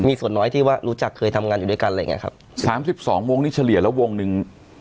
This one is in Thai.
มีส่วนน้อยที่ว่ารู้จักเคยทำงานอยู่ด้วยกันอะไรอย่างเงี้ครับสามสิบสองวงนี้เฉลี่ยแล้ววงหนึ่ง